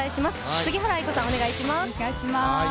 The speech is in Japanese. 杉原愛子さん、お願いします。